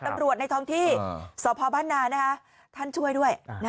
ตำรวจในท้องที่สภาพบ้านหน้าท่านช่วยด้วย